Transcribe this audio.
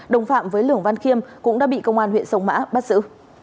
đồng phạm với lường văn khiêm cũng đã bị công an huyện sông mã bắt giữ